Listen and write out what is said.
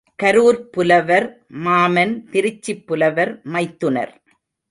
கரூர்ப் புலவர், மாமன் திருச்சிப் புலவர், மைத்துனர்.